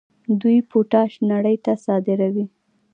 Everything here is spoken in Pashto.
دوی پوټاش نړۍ ته صادروي.